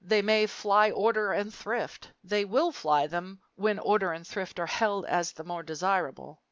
They may fly order and thrift. They will fly them when order and thrift are held as the more desirable.